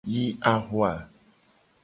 Yi ahua.